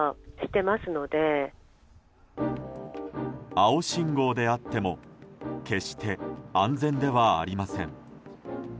青信号であっても決して安全ではありません。